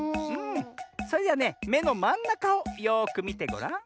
それではねめのまんなかをよくみてごらん。